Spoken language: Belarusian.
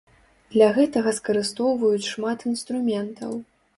Для гэтага скарыстоўваюць шмат інструментаў.